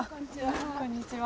こんにちは。